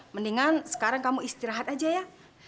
mendingan sekarang kamu istirahat aja ya